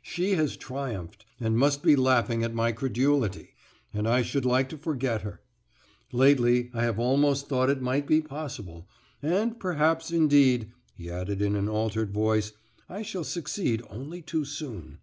She has triumphed, and must be laughing at my credulity, and I should like to forget her. Lately I have almost thought it might be possible, and perhaps, indeed," he added, in an altered voice, "I shall succeed only too soon."